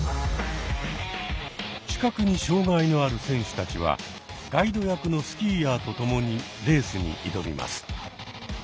視覚に障害のある選手たちはガイド役のスキーヤーとともにレースに挑みます。